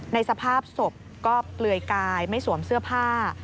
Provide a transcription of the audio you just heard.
สภาพศพก็เปลือยกายไม่สวมเสื้อผ้า